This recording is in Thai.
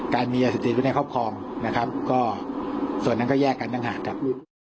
มียาเสพติดไว้ในครอบครองนะครับก็ส่วนนั้นก็แยกกันตั้งหากครับ